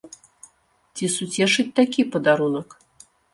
Ці суцешыць такі падарунак?